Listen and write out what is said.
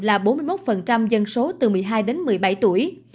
là bốn mươi một dân số từ một mươi hai đến một mươi bảy tuổi